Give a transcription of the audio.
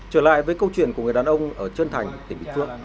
trở lại với câu chuyện của người đàn ông ở trân thành thịnh vĩnh phước